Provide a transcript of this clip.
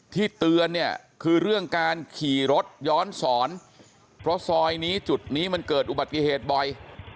เตือนเนี่ยคือเรื่องการขี่รถย้อนสอนเพราะซอยนี้จุดนี้มันเกิดอุบัติเหตุบ่อย